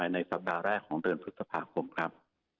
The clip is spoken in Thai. ในสัปดาห์แรกของเดือนพฤษภาคมครับ